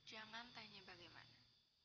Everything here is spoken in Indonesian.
jangan tanya bagaimana